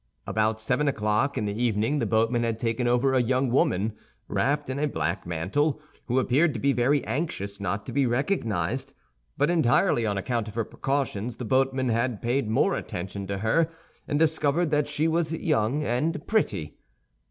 About seven o'clock in the evening, the boatman had taken over a young woman, wrapped in a black mantle, who appeared to be very anxious not to be recognized; but entirely on account of her precautions, the boatman had paid more attention to her and discovered that she was young and pretty.